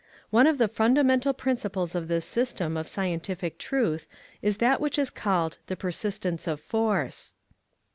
One of the fundamental principles of this system of scientific truth is that which is called the persistence of force.